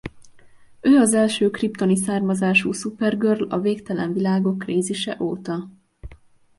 Ő az első kryptoni származású Supergirl a Végtelen világok krízise óta.